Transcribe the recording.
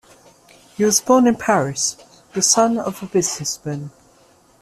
He was born in Paris, the son of a businessman.